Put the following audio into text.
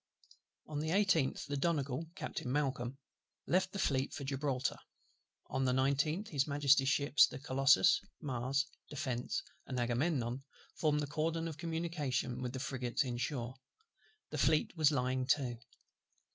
On the 18th the Donegal, Captain MALCOLM, left the Fleet for Gibraltar. On the 19th his Majesty's ships the Colossus, Mars, Defence, and Agamemnon, formed the cordon of communication with the frigates in shore: the Fleet was lying to.